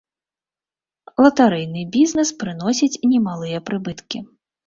Латарэйны бізнес прыносіць немалыя прыбыткі.